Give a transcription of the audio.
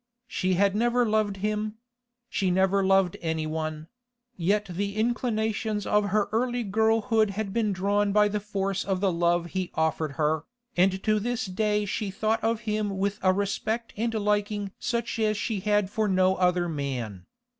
She had never loved him; she never loved anyone; yet the inclinations of her early girlhood had been drawn by the force of the love he offered her, and to this day she thought of him with a respect and liking such as she had for no other man.